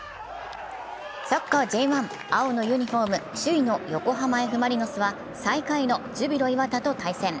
サッカーＪ１、青のユニフォーム、首位の横浜Ｆ・マリノスは最下位のジュビロ磐田と対戦。